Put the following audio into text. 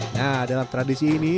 nah dalam tradisi ini